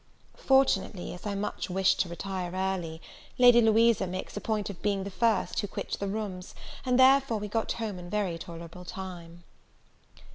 Fortunately, as I much wished to retire early, Lady Louisa makes a point of being the first who quit the rooms, and therefore we got home in very tolerable time.